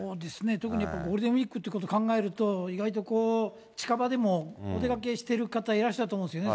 特にゴールデンウィークっていうこと考えると、意外と近場でもお出かけしてらっしゃる方、いらっしゃると思うんですね。